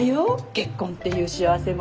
結婚っていう幸せも。